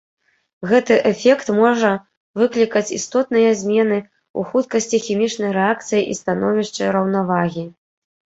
Гэты эфект можа выклікаць істотныя змены ў хуткасці хімічнай рэакцыі і становішчы раўнавагі.